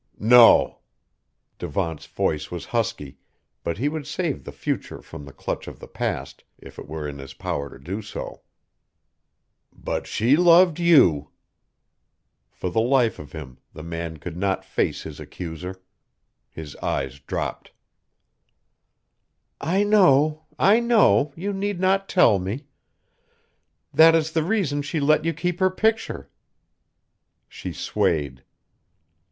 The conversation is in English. "No." Devant's voice was husky, but he would save the future from the clutch of the past, if it were in his power to do so. "But she loved you!" For the life of him, the man could not face his accuser. His eyes dropped. "I know! I know! You need not tell me. That is the reason she let you keep her picture!" She swayed.